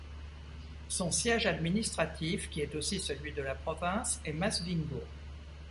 Son siège administratif, qui est aussi celui de la province, est Masvingo.